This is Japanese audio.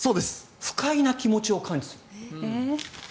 不快な気持ちを感知する。